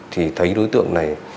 thì thấy đối tượng này